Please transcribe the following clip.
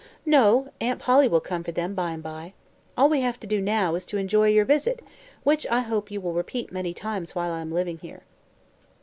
"No; Aunt Polly will come for them, by and by. All we have to do now is to enjoy your visit, which I hope you will repeat many times while I am living here."